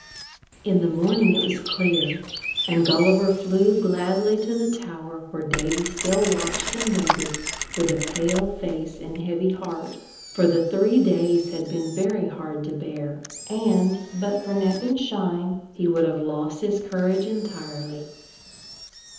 In the morning it was clear; and Gulliver flew gladly to the tower where Davy still watched and waited, with a pale face and heavy heart, for the three days had been very hard to bear, and, but for Nep and Shine, he would have lost his courage entirely.